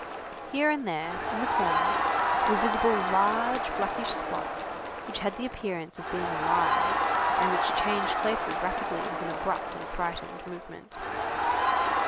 Here and there, in the corners, were visible large blackish spots which had the appearance of being alive, and which changed places rapidly with an abrupt and frightened movement.